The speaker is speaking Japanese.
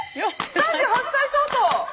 ３８歳相当。